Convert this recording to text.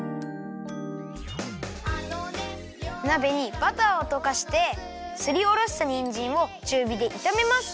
なべにバターをとかしてすりおろしたにんじんをちゅうびでいためます。